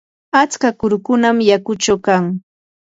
atska kurukunam yakuchaw kan.